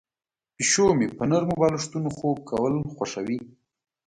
پیشو مې په نرمو بالښتونو خوب کول خوښوي.